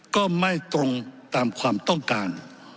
ก็ไม่ตรงตามความต้องการ